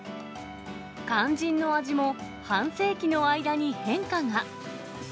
肝心の味も半世紀の間に変化が。